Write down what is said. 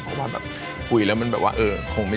ก็โอเคถ้าดูแล้วไม่ค่อยใช่เนี่ย